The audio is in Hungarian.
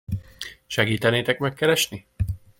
Segítenétek megkeresni?